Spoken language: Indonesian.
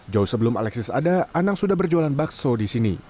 jauh sebelum alexis ada anang sudah berjualan bakso di sini